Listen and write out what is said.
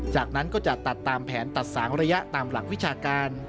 จากนั้นก็จะตัดตามแผนตัดสางระยะตามหลักวิชาการ